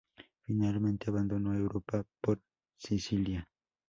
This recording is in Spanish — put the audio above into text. Finalmente abandonó Europa por Sicilia.